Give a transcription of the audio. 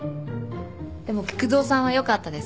でも菊蔵さんはよかったですね。